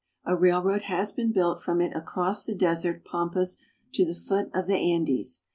A railroad has been built from it across the desert pampas to the foot of the Andes.